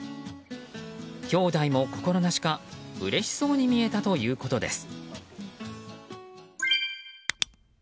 きょうだいも心なしかうれしそうに見えたということです。